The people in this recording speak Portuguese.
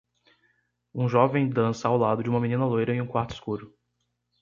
Um jovem dança ao lado de uma menina loira em um quarto escuro.